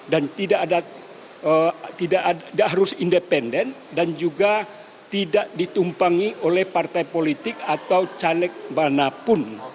dan tidak ada harus independen dan juga tidak ditumpangi oleh partai politik atau caneg manapun